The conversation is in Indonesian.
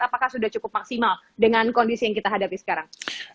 apakah sudah cukup maksimal dengan kondisi yang kita hadapi sekarang